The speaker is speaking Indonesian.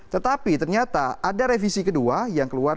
tetapi ternyata ada revisi kedua yang keluar